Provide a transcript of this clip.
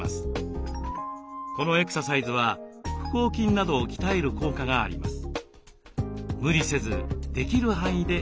このエクササイズは腹横筋などを鍛える効果があります。